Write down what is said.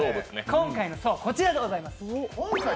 今回の層、こちらでございます。